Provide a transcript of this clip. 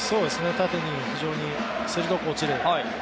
縦に非常に鋭く落ちる。